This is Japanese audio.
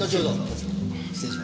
失礼します。